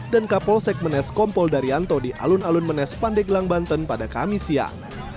dan kapolsek menes kompol darianto di alun alun menes pandeglang banten pada kamis siang